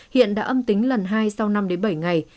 hiện đã âm tính lần hai sau năm bảy ngày